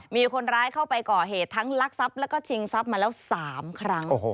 มีคนร้ายเข้าไปก่อเหตุทั้งลักทรัพย์แล้วก็ชิงทรัพย์มาแล้ว๓ครั้ง